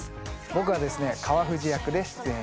僕はですね川藤役で出演しています。